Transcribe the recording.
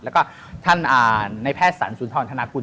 แล้วก็ท่านในแพทย์สรรสุนทรธนากุล